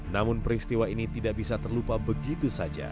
namun peristiwa ini tidak bisa terlupa begitu saja